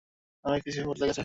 অনেক কিছুই বদলে গেছে।